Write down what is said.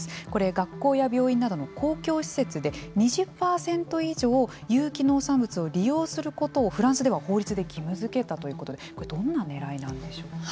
学校や病院などの公共施設で２０％以上有機農産物を利用することをフランスでは法律で義務付けたということでこれは、どんなねらいなんでしょうか。